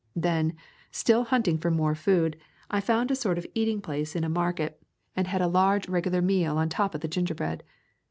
Then, still hunting for more food, I found a sort of eating place in [ 81 ] A Thousand Mile W alk a market and had a large regular meal on top of the gingerbread!